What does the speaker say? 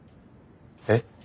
えっ？